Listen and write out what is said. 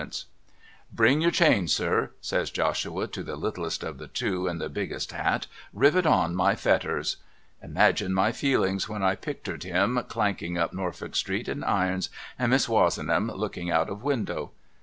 358 MRS. LIRRIPER'S LEGACY ' Bring your chains, sir,' says Joshua to the httlest of the two in the biggest hat, 'rivet on my fetters!' Imagine my feehngs when I I)ictercd him clanking up Norfolk street in irons and Miss Wozenham looking out of window